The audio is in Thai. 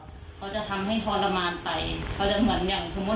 เขาจะเหมือนอย่างสมมติว่าหนูมีลูกเขาก็จะเอาลูกหนูก่อน